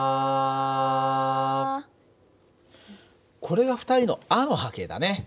これが２人の「あ」の波形だね。